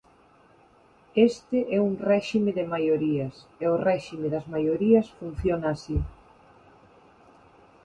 Este é un réxime de maiorías, e o réxime das maiorías funciona así.